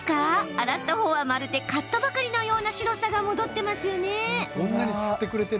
洗ったほうは、まるで買ったばかりのような白さが戻っています。